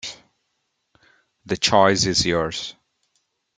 The choice is yours.